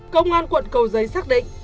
công an quận cầu giấy xác định